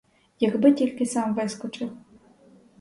Якби тільки сам вискочив!